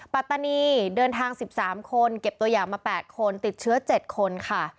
ปัตตานีเดินทาง๑๓คนเก็บตัวอย่างมา๘คนติดเชื้อ๗คนค่ะ